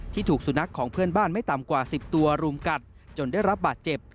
ถูกสุนัขของเพื่อนบ้านไม่ต่ำกว่า๑๐ตัวรุมกัดจนได้รับบาดเจ็บ